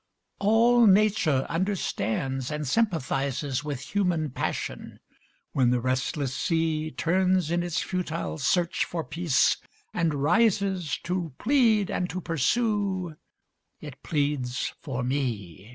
All nature understands and sympathises With human passion. When the restless sea Turns in its futile search for peace, and rises To plead and to pursue, it pleads for me.